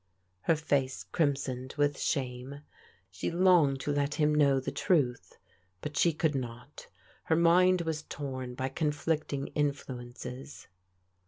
Her face crimsoned with shame. She longed to let him know the truth, but she could not. Her mind was torn by conflicting influences.